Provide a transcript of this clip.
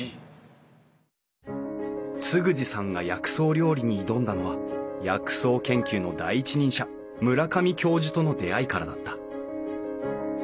嗣二さんが薬草料理に挑んだのは薬草研究の第一人者村上教授との出会いからだった。